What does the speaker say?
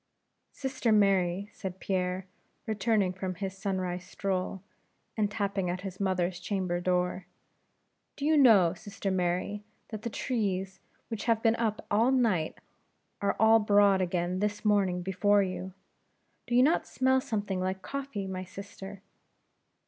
"Sister Mary," said Pierre, returned from his sunrise stroll, and tapping at his mother's chamber door: "do you know, sister Mary, that the trees which have been up all night, are all abroad again this morning before you? Do you not smell something like coffee, my sister?"